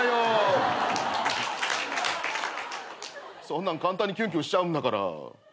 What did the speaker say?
そんなん簡単にキュンキュンしちゃうんだから。